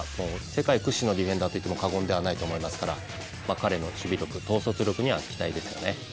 世界屈指のディフェンダーといっても過言ではないと思いますから彼の守備力統率力に期待ですよね。